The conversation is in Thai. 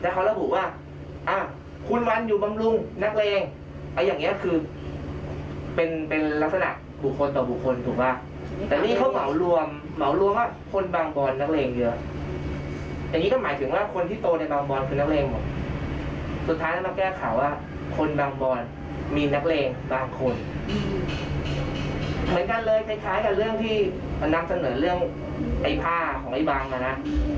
คนบางบอลมีนักเลงบางคนเหมือนกันเลยคล้ายกับเรื่องที่มันนับเสนอเรื่องไอ้ผ้าของไอ้บางมานะ